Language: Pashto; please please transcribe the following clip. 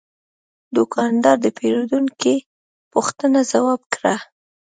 دوکاندار د پیرودونکي پوښتنه ځواب کړه.